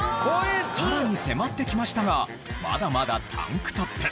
さらに迫ってきましたがまだまだタンクトップ。